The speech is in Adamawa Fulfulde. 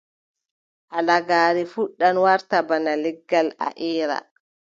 Halagaare fuɗɗan waata bana legal, a eera.